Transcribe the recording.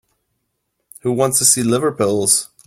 Who wants to see liver pills?